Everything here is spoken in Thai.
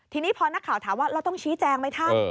ทีนี้พอนักข่าวถามว่าเราต้องชี้แจงไหมท่าน